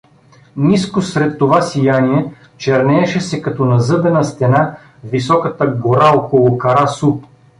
Ниско сред това сияние чернееше се като назъбена стена високата гора около Кара су.